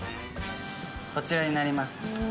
こちらになります。